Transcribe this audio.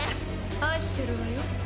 ⁉愛してるわよ。